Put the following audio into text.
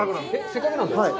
せっかくなんで。